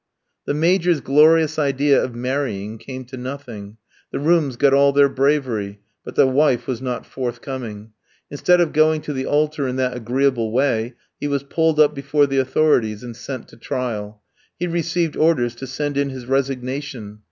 The Major's glorious idea of marrying came to nothing; the rooms got all their bravery, but the wife was not forthcoming. Instead of going to the altar in that agreeable way, he was pulled up before the authorities and sent to trial. He received orders to send in his resignation.